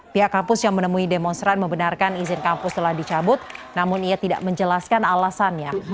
pihak kampus yang menemui demonstran membenarkan izin kampus telah dicabut namun ia tidak menjelaskan alasannya